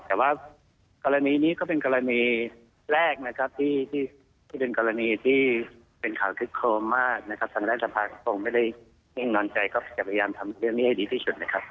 อย่างนอนใจก็พยายามทำเรื่องนี้ให้ดีที่สุดนะคะ